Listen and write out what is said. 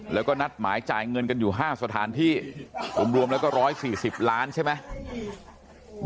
แล้วก็นัดหมายจ่ายเงินกันอยู่๕สถานที่รวมแล้วก็๑๔๐ล้านใช่ไหม